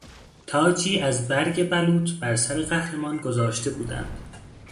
تاجی از برگ بلوط بر سر قهرمان گذاشته بودند.